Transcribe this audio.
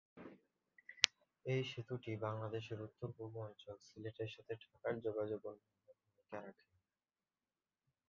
এই সেতুটি বাংলাদেশের উত্তর-পূর্ব অঞ্চল সিলেটের সাথে ঢাকার যোগাযোগ উন্নয়নে ভূমিকা রাখে।